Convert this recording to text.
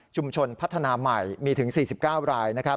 ชุมชนพัฒนาใหม่มีถึง๔๙ราย